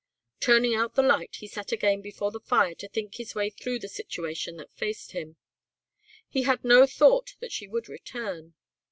Turning out the light he sat again before the fire to think his way through the situation that faced him. He had no thought that she would return.